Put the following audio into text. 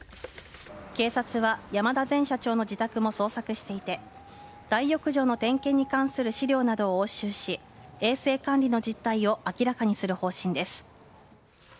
警察は山田前社長の自宅も捜索していて大浴場の点検に関する資料などを押収し衛生管理の実態を明らかにする方針です。